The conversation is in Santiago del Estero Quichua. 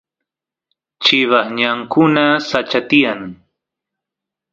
chivas ñankuna sacha tiyan